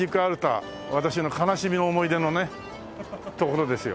私の悲しみの思い出の所ですよ。